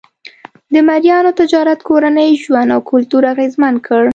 د مریانو تجارت کورنی ژوند او کلتور اغېزمن کړ.